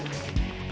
eh segitu ya om